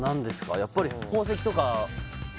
やっぱり宝石とか？